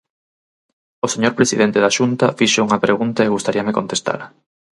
O señor presidente da Xunta fixo unha pregunta e gustaríame contestala.